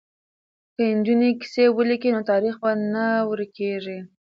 که نجونې کیسې ولیکي نو تاریخ به نه ورکيږي.